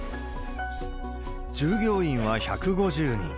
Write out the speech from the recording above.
従業員は１５０人。